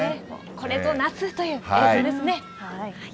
これぞ夏という映像ですね。